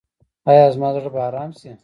ایا زما زړه به ارام شي؟